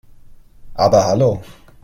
Aber hallo!